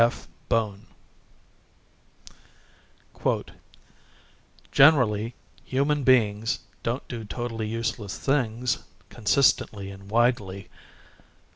F. BONE_ _Generally, human beings don't do totally useless things consistently and widely.